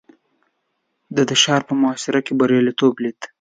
ده د ښار په محاصره کې برياليتوب ليد.